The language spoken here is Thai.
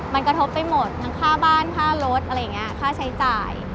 มันกระทบไปหมดทั้งค่าบ้านค่ารถอะไรอย่างนี้ค่าใช้จ่าย